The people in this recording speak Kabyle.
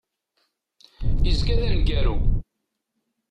Izga d aneggaru.